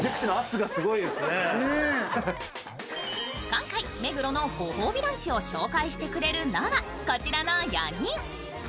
今回、目黒のご褒美ランチを紹介してくれるのはこちらの４人。